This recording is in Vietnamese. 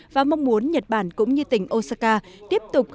và mong muốn nhật bản cũng như tỉnh osaka tiếp tục hợp tác